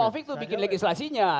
taufik itu bikin legislasinya